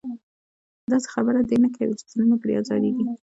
داسې خبره دې نه کوي چې زړونه پرې ازارېږي.